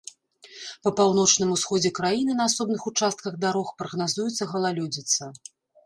Па паўночным усходзе краіны на асобных участках дарог прагназуецца галалёдзіца.